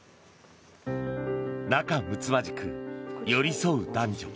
仲むつまじく寄り添う男女。